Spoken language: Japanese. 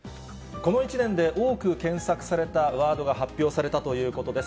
この１年で多く検索されたワードが発表されたということです。